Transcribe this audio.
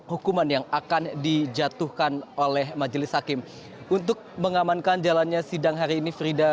hukuman yang akan dijatuhkan oleh majelis hakim untuk mengamankan jalannya sidang hari ini frida